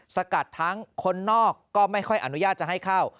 สกัดทั้งคนนอกก็ไม่ค่อยอนุญาตจะให้เข้า